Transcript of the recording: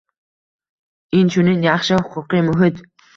Inchunun, yaxshi huquqiy muhit